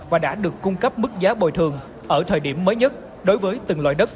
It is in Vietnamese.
và đã được cung cấp mức giá bồi thường ở thời điểm mới nhất đối với từng loại đất